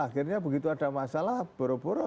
akhirnya begitu ada masalah boro boro